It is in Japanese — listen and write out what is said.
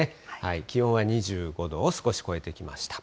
気温は２５度を少し超えてきました。